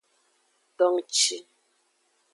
Dongci.